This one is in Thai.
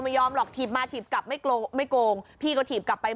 มันกลับมาที่สุดท้ายแล้วมันกลับมาที่สุดท้ายแล้ว